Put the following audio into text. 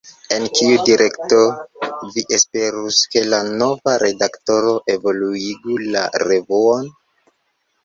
En kiu direkto vi esperus, ke la nova redaktoro evoluigu la revuon?